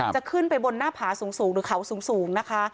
จะขึ้นไปบนหน้าผาสูงหรือเขาสูงนะคะ